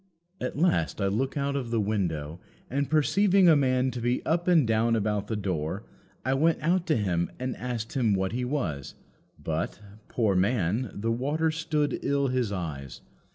"At last I looked out of the window, and perceiving a man to be up and down about the door, I went out to him and asked him what he was; but, poor man, the water stood ill his eyes.